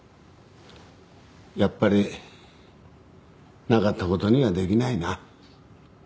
やっぱりなかった事にはできないな。